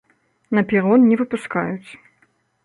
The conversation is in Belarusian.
На перон не выпускаюць.